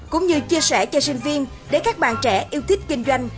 cũng như chia sẻ cho sinh viên để các bạn trẻ yêu thích kinh doanh